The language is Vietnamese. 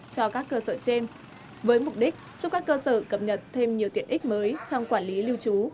cho các cơ sở trên với mục đích giúp các cơ sở cập nhật thêm nhiều tiện ích mới trong quản lý lưu trú